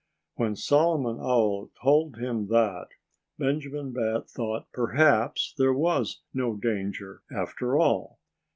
When Solomon Owl told him that, Benjamin Bat thought perhaps there was no danger, after all.